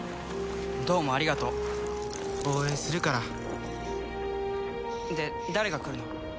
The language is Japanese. どうもありがとう応援するからで誰が来るの？